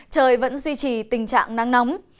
trời vẫn duy trì tình trạng nắng nóng